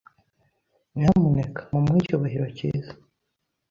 Nyamuneka mumuhe icyubahiro cyiza.